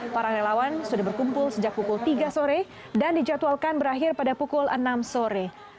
para relawan sudah berkumpul sejak pukul tiga sore dan dijadwalkan berakhir pada pukul enam sore